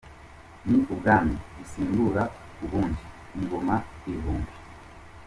Ni ubwami busimbura ubundi ingoma ibihumbi.